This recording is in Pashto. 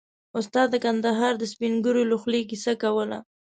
استاد د کندهار د سپين ږيرو له خولې کيسه کوله.